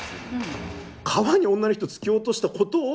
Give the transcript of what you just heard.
川に女の人突き落としたことを厄が落ちた。